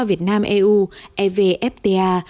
việt nam eu evftpp